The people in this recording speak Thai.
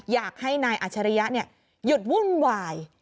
อยากให้นายอัชริยะหยุดวุ่นวาย